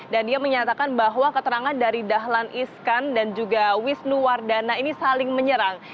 dan dia menyatakan bahwa keterangan dari dahlan iskan dan juga wisnu wardana ini saling menyerang